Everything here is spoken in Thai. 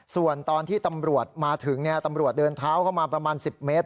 ส่วนตอนที่ตำรวจมาถึงตำรวจเดินเท้าเข้ามาประมาณ๑๐เมตร